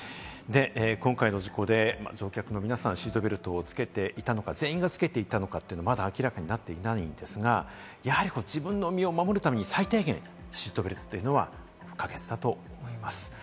今回の事故で乗客の皆さん、シートベルトをつけていたのか、全員がつけていたのかというのはまだ明らかになっていないんですが、やはり自分の身を守るために最低限、シートベルトというのは不可欠だと思います。